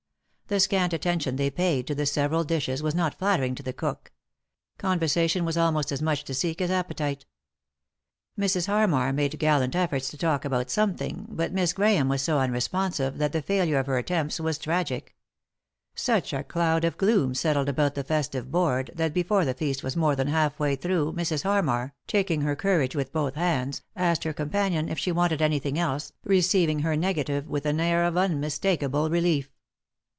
The scant attention they paid to the several dishes was not nattering to the cook. Conversation was almost as much to seek as appetite. Mrs. Harmar made gallant efforts to talk about something, but Miss Grahame was so unresponsive that the failure of her attempts was tragic. Such a cloud of gloom settled 155 3i 9 iii^d by Google THE INTERRUPTED KISS about the festive board that before the feast was more than half way through Mrs. Hannar, taking her courage with both hands, asked her companion if she wanted anything else, receiving her negative with an air of unmistakable relief.